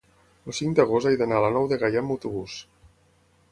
el cinc d'agost he d'anar a la Nou de Gaià amb autobús.